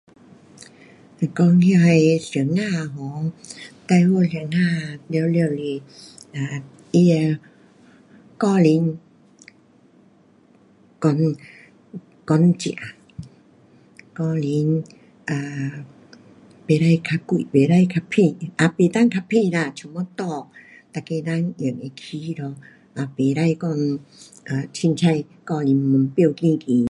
你讲那些的老师 um 最好老师全部是他的价钱讲，讲真，价钱 um 不可太贵不可太便，也不可太便啦，差不多，每个人用会起咯。嘛不可讲随便价钱标高高。